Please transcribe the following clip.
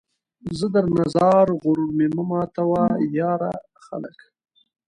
زه درنه ځار ، غرور مې مه ماتوه ، یاره ! خلک